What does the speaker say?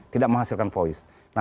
tidak menghasilkan voice